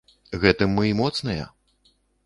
Гэтым мы і моцныя.